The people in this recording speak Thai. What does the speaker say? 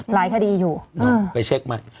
หลายคดีอยู่ไปเช็คใหม่